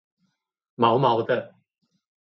毛毛的